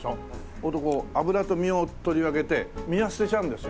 そうするとこう脂と身を取り分けて身は捨てちゃうんですよ。